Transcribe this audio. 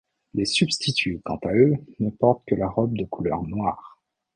Les substituts, quant à eux, ne portent que la robe de couleur noire.